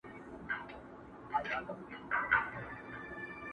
له خپل یار سره روان سو دوکاندار ته!!